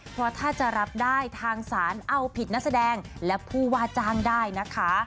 เพราะถ้าจะรับได้ทางศาลเอาผิดนักแสดงและผู้ว่าจ้างได้นะคะ